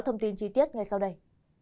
thông tin chi tiết ngay sau đây